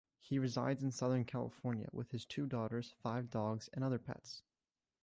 He resides in Southern California with his two daughters, five dogs, and other pets.